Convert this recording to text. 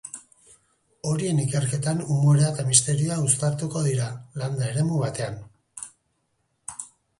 Horien ikerketan, umorea eta misterioa uztartuko dira, landa-eremu batean.